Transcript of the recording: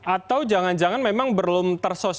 atau jangan jangan memang belum tersosialisasi